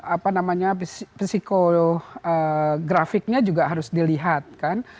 apa namanya psikografiknya juga harus dilihat kan